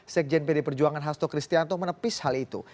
sekjen pd perjuangan hasto kristianto menepis hal itu